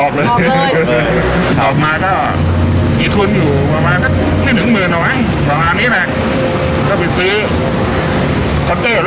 ออกมาก็อีกเท่าไม่ถึงคือเมื่อหนึ่งมั้งประมาณนี้แหละก็ไปซื้อถ้าให้ละ